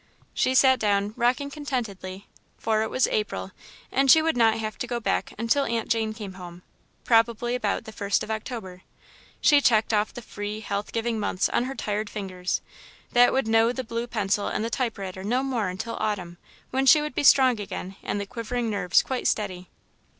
She sat down, rocking contentedly, for it was April, and she would not have to go back until Aunt Jane came home, probably about the first of October. She checked off the free, health giving months on her tired fingers, that would know the blue pencil and the typewriter no more until Autumn, when she would be strong again and the quivering nerves quite steady.